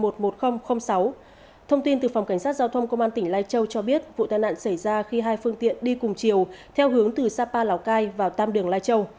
thông tin từ phòng cảnh sát giao thông công an tỉnh lai châu cho biết vụ tai nạn xảy ra khi hai phương tiện đi cùng chiều theo hướng từ sapa lào cai vào tam đường lai châu